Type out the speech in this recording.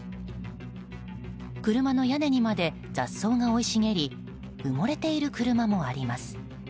車の屋根にまで雑草が生い茂り埋もれている車もあります。